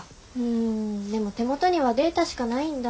んでも手元にはデータしかないんだ。